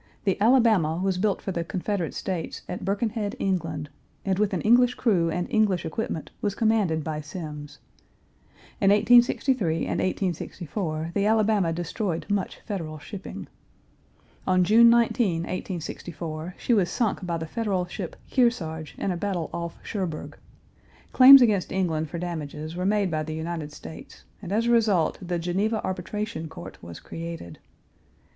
The Alabama was built for the Confederate States at Birkenhead, England, and with an English crew and English equipment was commanded by Semmes. In 1863 and 1864 the Alabama destroyed much Federal shipping. On June 19, 1864, she was sunk by the Federal ship Kearsarge in a battle off Cherbourg. Claims against England for damages were made by the United States, and as a result the Geneva Arbitration Court was created.